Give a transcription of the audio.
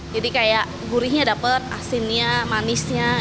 jadi kayak gurihnya dapat asinnya manisnya